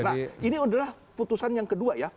nah ini adalah putusan yang kedua ya